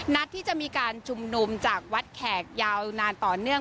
นัดที่จะมีการชุมนุมจากวัดแขกยาวนานต่อเนื่อง